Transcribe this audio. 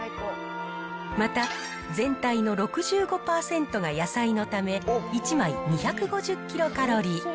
また、全体の６５％が野菜のため、１枚２５０キロカロリー。